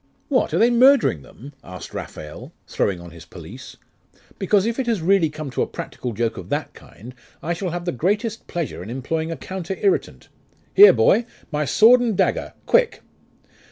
'What! are they murdering them?' asked Raphael, throwing on his pelisse. 'Because, if it has really come to a practical joke of that kind, I shall have the greatest pleasure in employing a counter irritant. Here, boy! My sword and dagger! Quick!